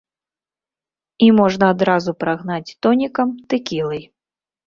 І можна адразу прагнаць тонікам, тэкілай.